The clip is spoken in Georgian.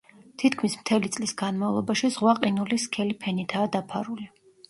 თითქმის მთელი წლის განმავლობაში, ზღვა ყინულის სქელი ფენითაა დაფარული.